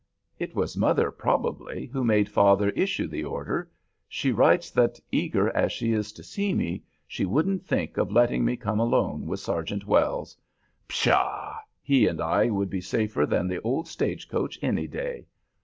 "It was mother, probably, who made father issue the order. She writes that, eager as she is to see me, she wouldn't think of letting me come alone with Sergeant Wells. Pshaw! He and I would be safer than the old stage coach any day.